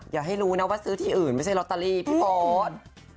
อย่าให้รู้นะว่าซื้อที่อื่นไม่ใช่ลอตเตอรี่พี่โป๊ด